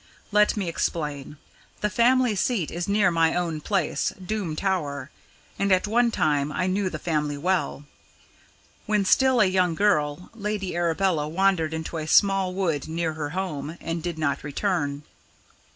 Let me explain the family seat is near my own place, Doom Tower, and at one time I knew the family well. When still a young girl, Lady Arabella wandered into a small wood near her home, and did not return.